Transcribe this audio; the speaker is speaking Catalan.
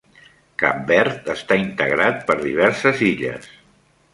Cap Verd està integrat per diverses illes.